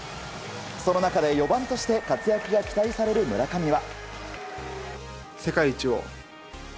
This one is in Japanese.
その中で４番として活躍が期待される村上は。